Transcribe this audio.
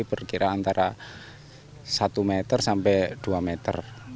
jadi berkira antara satu meter sampai dua meter